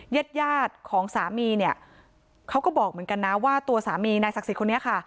ญาติยาดของสามีเนี่ยเขาก็บอกเหมือนกันนะว่าตัวสามีนายศักดิ์สิทธิ์นี้ค่ะ